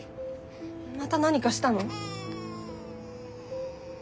また何かしたの？